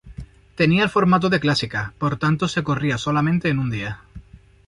Tenía el formato de clásica, por tanto se corría solamente en un día.